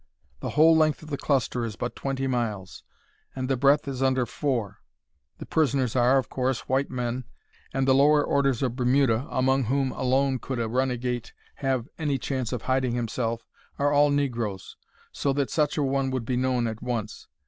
The whole length of the cluster is but twenty miles, and the breadth is under four. The prisoners are, of course, white men, and the lower orders of Bermuda, among whom alone could a runagate have any chance of hiding himself, are all negroes; so that such a one would be known at once.